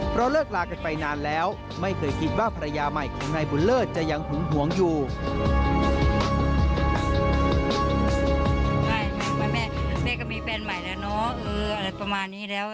แม่ก็มีแฟนใหม่แล้วเนอะอะไรประมาณนี้แล้ว